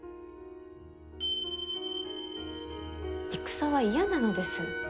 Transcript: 戦は嫌なのです。